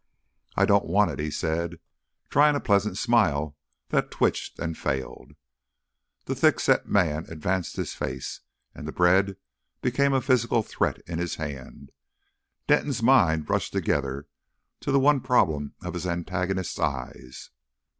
"I don't want it," he said, trying a pleasant smile that twitched and failed. The thickset man advanced his face, and the bread became a physical threat in his hand. Denton's mind rushed together to the one problem of his antagonist's eyes.